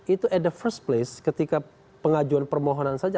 itu at the first place ketika pengajuan permohonan saja